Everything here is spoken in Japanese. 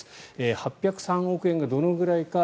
８０３億円がどのくらいか。